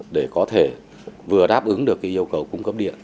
để có thể vừa đáp ứng được yêu cầu cung cấp điện